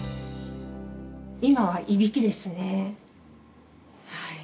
今は、いびきですね、はい。